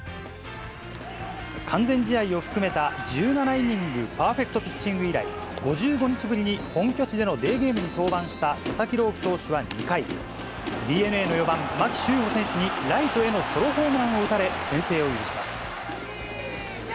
完全試合を含めた１７イニングパーフェクトピッチング以来、５５日ぶりに、本拠地でのデーゲームに登板した佐々木朗希投手は２回、ＤｅＮＡの４番牧秀悟選手にライトへのソロホームランを打たれ、先制を許します。